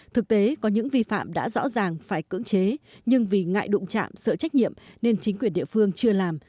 thực tế có những vi phạm đã rõ ràng phải cưỡng chế nhưng vì ngại đụng chạm sợ trách nhiệm nên chính quyền địa phương chưa làm